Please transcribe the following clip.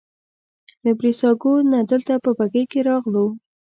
له بریساګو نه دلته په بګۍ کې راغلو.